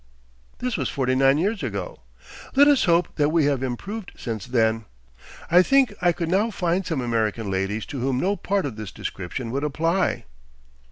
This was forty nine years ago. Let us hope that we have improved since then. I think I could now find some American ladies to whom no part of this description would apply.